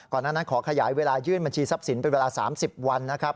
นั้นขอขยายเวลายื่นบัญชีทรัพย์สินเป็นเวลา๓๐วันนะครับ